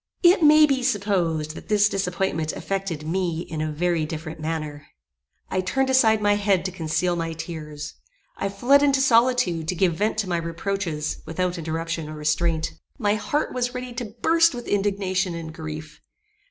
It may be supposed that this disappointment affected me in a very different manner. I turned aside my head to conceal my tears. I fled into solitude, to give vent to my reproaches, without interruption or restraint. My heart was ready to burst with indignation and grief.